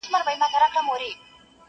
كيسې هېري سوې د زهرو د خوړلو؛